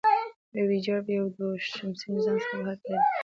د وویجر یو او دوه د شمسي نظام څخه بهر تللي دي.